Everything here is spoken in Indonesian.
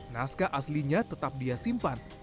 naskah aslinya tetap dia simpan